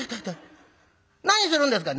何するんですか！」。